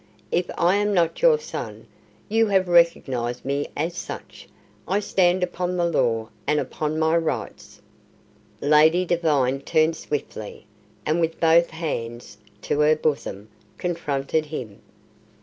If I am not your son you have recognized me as such. I stand upon the law and upon my rights." Lady Devine turned swiftly, and with both hands to her bosom, confronted him.